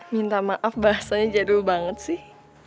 minta maaf bahasanya jadul banget sih